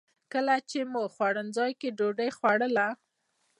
کله چې مو په خوړنځای کې ډوډۍ خوړله.